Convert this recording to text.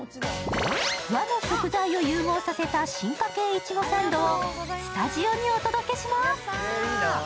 和の食材を融合させた進化系いちごサンドをスタジオにお届けします。